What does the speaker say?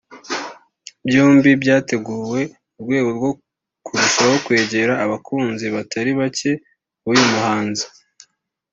byombi byateguwe mu rwego rwo kurushaho kwegera abakunzi batari bake b’uyu muhanzi